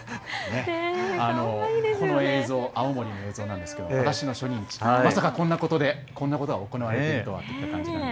この映像、青森の映像なんですけども、まさかこんなところでこんなことが行われているとは。